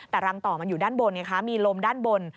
แต่รังต่อมันอยู่ด้านบนไงคะมีลมด้านบน